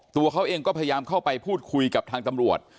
ตัวเขาเองก็พยายามเข้าไปพูดคุยกับทางตำรวจ